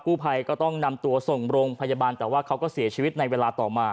ภัยก็ต้องนำตัวส่งโรงพยาบาลแต่ว่าเขาก็เสียชีวิตในเวลาต่อมา